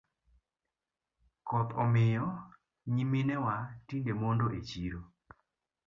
Koth omiyo nyiminewa tinde mondo e chiro.